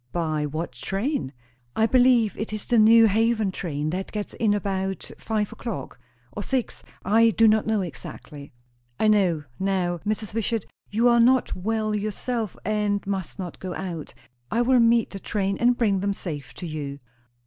"By what train?" "I believe, it is the New Haven train that gets in about five o'clock. Or six. I do not know exactly." "I know. Now, Mrs. Wishart, you are not well yourself, and must not go out. I will meet the train and bring them safe to you."